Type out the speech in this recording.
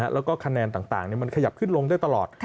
แล้วก็คะแนนต่างมันขยับขึ้นลงได้ตลอด